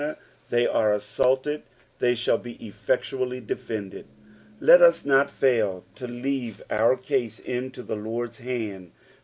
the; are assaulted they shall be effectually defended. Let us not fail to leave our case into ttie Lord's hand.